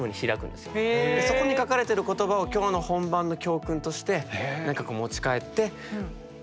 でそこに書かれてる言葉を今日の本番の教訓として何かこう持ち帰って舞台に出るみたいな。